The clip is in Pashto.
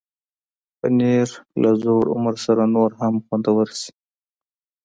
پنېر له زوړ عمر سره نور هم خوندور شي.